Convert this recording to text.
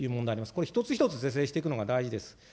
これ一つ一つ是正していくのが大事です。